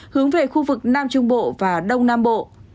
hướng về khu vực nam trung bộ và đông nam bộ